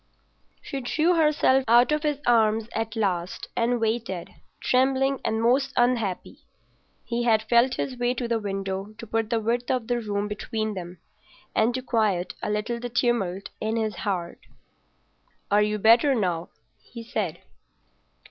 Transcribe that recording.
She drew herself out of his arms at last and waited, trembling and most unhappy. He had felt his way to the window to put the width of the room between them, and to quiet a little the tumult in his heart. "Are you better now?" he said.